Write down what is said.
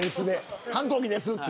反抗期ですって。